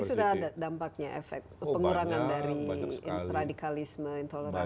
tapi sudah ada dampaknya efek pengurangan dari radikalisme intoleransi ini sudah ada